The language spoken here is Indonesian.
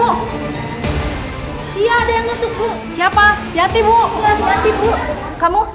elsa terluka bu